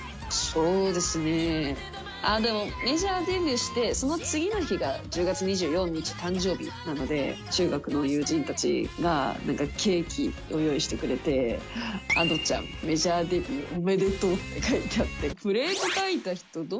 そうですね、でもメジャーデビューして、その次の日が１０月２４日誕生日なので、中学の友人たちが、なんかケーキを用意してくれて、Ａｄｏちゃんメジャーデビュー